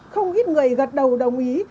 không ít người gật đầu đồng ý